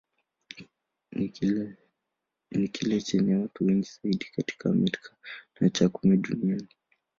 Ni kile chenye watu wengi zaidi katika Amerika, na cha kumi duniani.